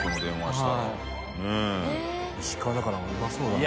石川だからうまそうだな。